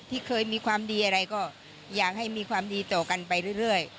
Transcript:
ที่เคยมีความดีอะไรก็อยากให้มีความดีต่อกันไปเรื่อย